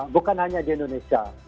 bukan hanya di indonesia